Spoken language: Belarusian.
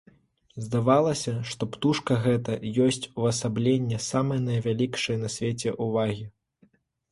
Здавалася, што птушка гэта ёсць увасабленне самай найвялікшай на свеце ўвагі.